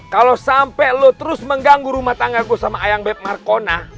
kalo sampe lo terus mengganggu rumah tangga gue sama ayam beb markona